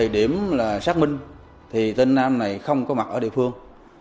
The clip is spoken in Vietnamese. điểm xác minh thì tên nam này không có mặt ở địa phương